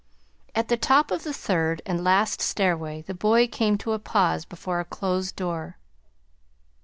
At the top of the third and last stairway the boy came to a pause before a closed door.